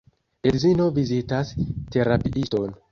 Edzino vizitas terapiiston.